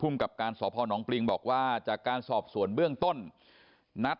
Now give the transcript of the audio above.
ภูมิกับการสพยนร์พลิงบอกว่า